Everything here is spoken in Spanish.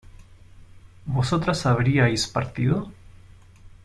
¿vosotras habríais partido?